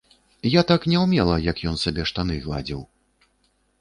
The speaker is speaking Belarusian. Я так не ўмела, як ён сабе штаны гладзіў.